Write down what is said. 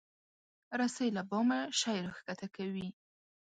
رسۍ له بامه شی راکښته کوي.